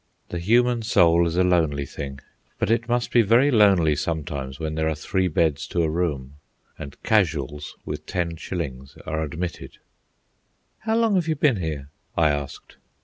The human soul is a lonely thing, but it must be very lonely sometimes when there are three beds to a room, and casuals with ten shillings are admitted. "How long have you been here?" I asked.